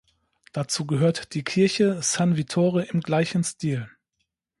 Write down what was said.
Dazu gehört die Kirche "San Vittore" im gleichen Stil.